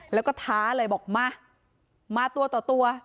แล้วก็ท้าเลยบอกมามาตัวต่อตัว